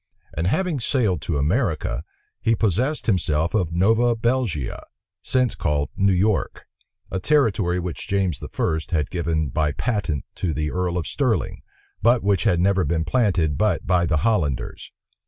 And having sailed to America, he possessed himself of Nova Belgia, since called New York; a territory which James I. had given by patent to the earl of Stirling, but which had never been planted but by the Hollanders.